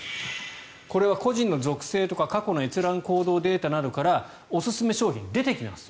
これは個人の属性とか過去の閲覧行動データなどからおすすめ商品が出てきてます。